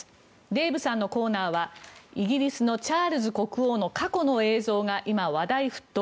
デーブさんのコーナーはイギリスのチャールズ国王の過去の映像が今、話題沸騰。